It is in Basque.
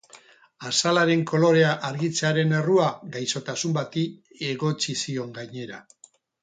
Azalaren kolorea argitzearen errua gaixotasun bati egotzi zion, gainera.